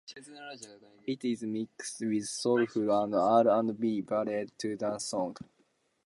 It is mixed with soulful and R and B ballads to dance songs.